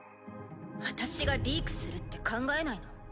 私がリークするって考えないの？